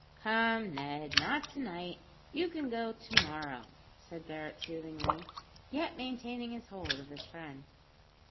"Come, Ned, not to night; you can go to morrow" said Barret soothingly, yet maintaining his hold of his friend.